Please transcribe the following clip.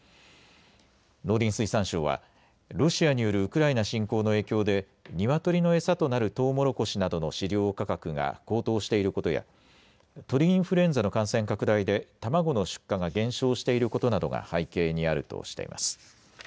農林水産省はロシアによるウクライナ侵攻の影響でニワトリの餌となるとうもろこしなどの飼料価格が高騰していることや鳥インフルエンザの感染拡大で卵の出荷が減少していることなどが背景にあるとしています。